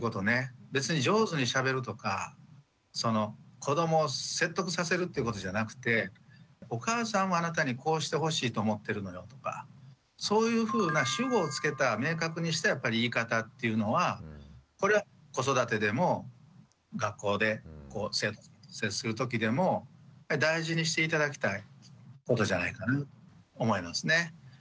別に上手にしゃべるとか子どもを説得させるっていうことじゃなくてお母さんはあなたにこうしてほしいと思ってるのよとかそういうふうな主語をつけた明確にした言い方っていうのはこれは子育てでも学校で生徒さんと接するときでも大事にして頂きたいことじゃないかなと思いますね。